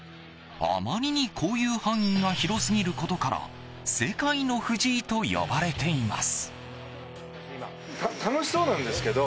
あまりに交友範囲が広すぎることから世界の藤井と呼ばれています。